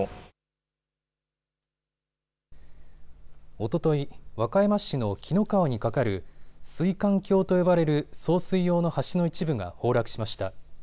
おととい、和歌山市の紀の川に架かる水管橋と呼ばれる送水用の橋の一部が崩落しました。